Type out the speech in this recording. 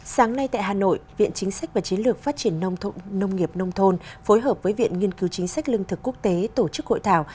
sáng nay tại hà nội viện chính sách và chiến lược phát triển nông nghiệp nông thôn phối hợp với viện nghiên cứu chính sách lương thực quốc tế tổ chức hội thảo